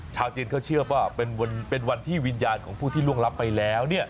ชาวจีนเขาเชื่อว่าเป็นวันที่วิญญาณของผู้ที่ล่วงรับไปแล้ว